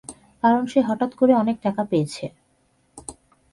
কারণ সে হঠাৎ করে অনেক টাকা পেয়েছে।